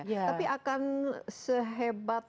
tapi akan sehebat